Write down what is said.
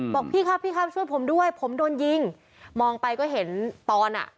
บอกพี่ครับพี่ครับช่วยผมด้วยผมโดนยิงมองไปก็เห็นตอนอ่ะ